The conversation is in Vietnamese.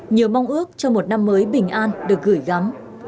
nhiều mong ước cho một năm mới bình an được gửi gắm